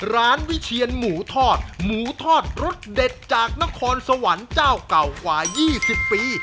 วิเชียนหมูทอดหมูทอดรสเด็ดจากนครสวรรค์เจ้าเก่ากว่า๒๐ปี